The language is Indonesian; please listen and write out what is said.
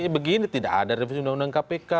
begini tidak ada revisi undang undang kpk